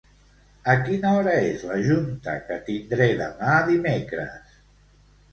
A quina hora és la junta que tindré demà dimecres?